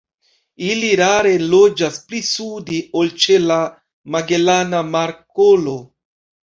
Ili rare loĝas pli sude ol ĉe la Magelana Markolo.